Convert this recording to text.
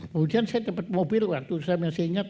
kemudian saya dapat mobil waktu saya masih ingat